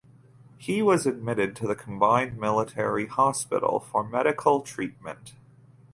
He was admitted to the Combined Military Hospital for medical treatment.